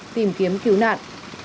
tìm kiếm cứu nạn